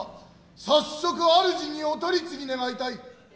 早速主にお取り次ぎ願いたい。